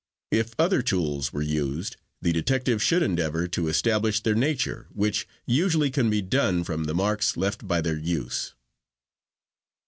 If other tools were used the detective should endeavor to establish their nature, which usually can be done from the marks left by their use.